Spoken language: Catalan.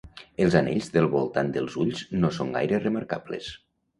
Els anells del voltant dels ulls no són gaire remarcables.